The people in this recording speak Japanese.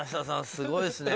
すごいですね。